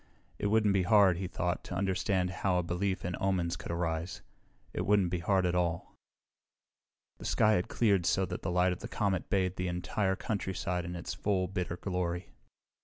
It wouldn't be hard, he thought, to understand how a belief in omens could arise. It wouldn't be hard at all. The sky had cleared so that the light of the comet bathed the entire countryside in its full, bitter glory.